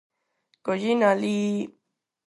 Collina alí…